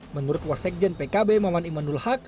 menurut wasekjen pkb maman imanul haq